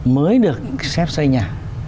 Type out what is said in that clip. mới được xếp xây nhà